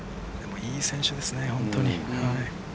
いい選手ですね、本当に。